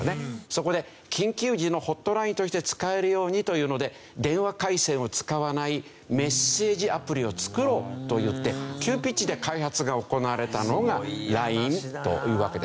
そこで緊急時のホットラインとして使えるようにというので電話回線を使わないメッセージアプリを作ろうといって急ピッチで開発が行われたのがＬＩＮＥというわけです。